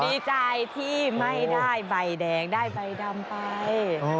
ดีใจที่ไม่ได้ใบแดงได้ใบดำไป